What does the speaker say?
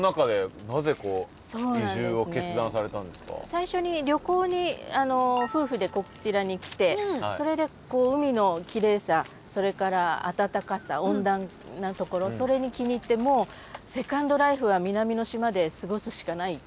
最初に旅行に夫婦でこちらに来てそれで海のきれいさそれから暖かさ温暖なところそれに気に入ってもうカヤックを持って。